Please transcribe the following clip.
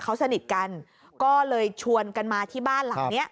เขาสนิทกันก็เลยชวนกันมาที่บ้านหลังนี้